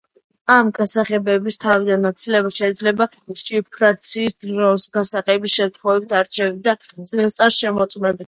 ამ გასაღებების თავიდან აცილება შეიძლება შიფრაციის დროს გასაღების შემთხვევითი არჩევით და წინასწარი შემოწმებით.